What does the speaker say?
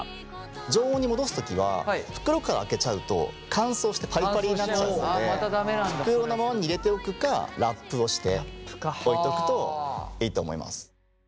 常温に戻す時は袋からあけちゃうと乾燥してパリパリになっちゃうので袋のままに入れておくかラップをして置いとくといいと思います。